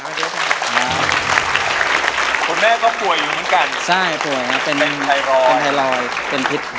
คุณแม่ก็ป่วยอยู่เหมือนกันใช่ป่วยนะเป็นไทรอยด์เป็นพิษ